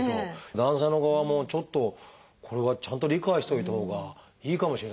男性の側もちょっとこれはちゃんと理解しておいたほうがいいかもしれないですね。